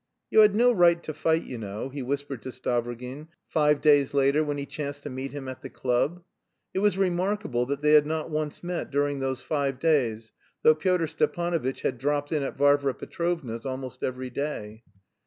"You had no right to fight, you know," he whispered to Stavrogin, five days later, when he chanced to meet him at the club. It was remarkable that they had not once met during those five days, though Pyotr Stepanovitch had dropped in at Varvara Petrovna's almost every day.